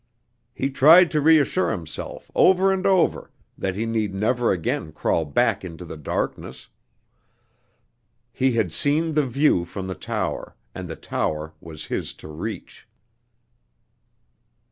He tried to reassure himself, over and over, that he need never again crawl back into the darkness. He had seen the view from the tower, and the tower was his to reach.